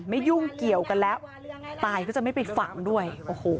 ยุ่งเกี่ยวกันแล้วตายก็จะไม่ไปฝังด้วยโอ้โห